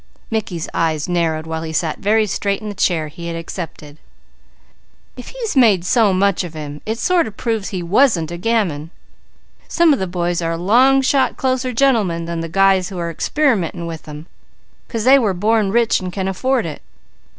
Mickey's eyes narrowed while he sat very straight in the chair he had accepted. "If he's made so much of him, it sort of proves that he wasn't a gamin. Some of the boys are a long shot closer gentlemen than the guys who are experimenting with them; 'cause they were born rich and can afford it.